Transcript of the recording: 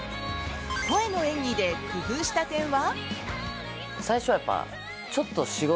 声の演技で工夫した点は？